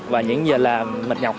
và những giờ làm mệt nhọc